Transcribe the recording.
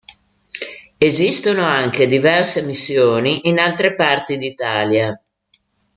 Esistono anche diverse missioni in altre parti d'Italia.